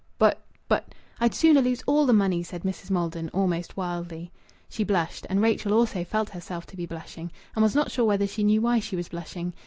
"But but " "I'd sooner lose all the money!" said Mrs. Maldon, almost wildly. She blushed. And Rachel also felt herself to be blushing, and was not sure whether she knew why she was blushing.